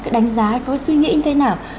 đánh giá có suy nghĩ thế nào